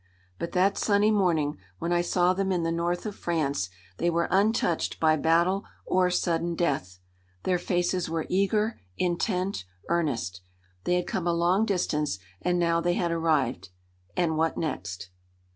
But that sunny morning, when I saw them in the north of France, they were untouched by battle or sudden death. Their faces were eager, intent, earnest. They had come a long distance and now they had arrived. And what next?